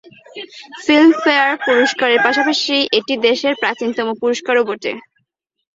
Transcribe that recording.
Filmfare পুরস্কারের পাশাপাশি এটি দেশের প্রাচীনতম পুরস্কারও বটে।